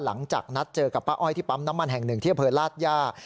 หลังจากนัดเจอกับป้าอ้อยที่ปั๊มน้ำมันแห่งหนึ่งที่อำเภอลาดย่า